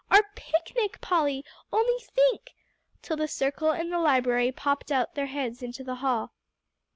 Our picnic, Polly only think!" till the circle in the library popped out their heads into the hall.